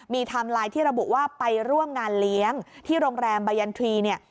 มีไทม์ไลน์ที่ระบุว่าไปร่วมงานเลี้ยงที่โรงแรมบายันทรีย์เนี่ย